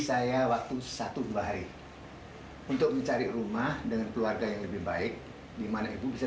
saya waktu satu dua hari untuk mencari rumah dengan keluarga yang lebih baik dimana ibu bisa